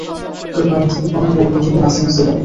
তোর বাড়ি থেকে কনের বাড়ি পর্যন্ত, নাচতে নাচতে যাব।